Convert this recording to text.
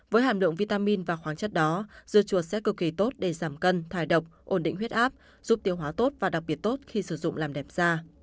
với hàm lượng vitamin và khoáng chất đó dưa chuột sẽ cực kỳ tốt để giảm cân thải độc ổn định huyết áp giúp tiêu hóa tốt và đặc biệt tốt khi sử dụng làm đẹp da